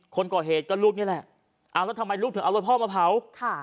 คนก่อเหตุก็ลูกนี่แหละเอาแล้วทำไมลูกถึงเอารถพ่อมาเผาค่ะ